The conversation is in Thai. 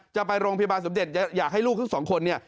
จะไปโรงพยาบาลสมเด็จอยากให้ลูกทั้งสองคนเนี่ย